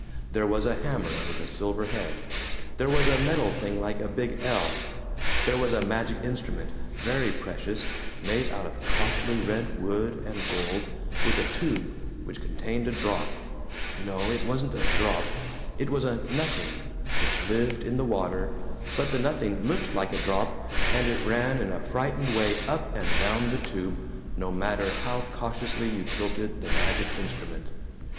There was a hammer with a silver head; there was a metal thing like a big L; there was a magic instrument, very precious, made out of costly red wood and gold, with a tube which contained a drop no, it wasn't a drop, it was a nothing, which lived in the water, but the nothing LOOKED like a drop, and it ran in a frightened way up and down the tube, no matter how cautiously you tilted the magic instrument.